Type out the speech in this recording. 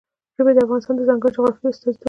ژبې د افغانستان د ځانګړي جغرافیه استازیتوب کوي.